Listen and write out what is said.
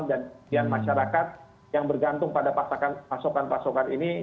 dan kebijakan masyarakat yang bergantung pada pasokan pasokan ini